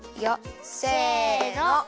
せの！